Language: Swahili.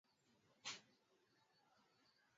Sehemu za chini kabisa zimerekodiwa kwa kina cha